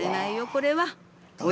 これは。